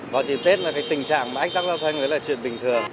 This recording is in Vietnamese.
đó chính tết là cái tình trạng mà ách tắc giao thông là chuyện bình thường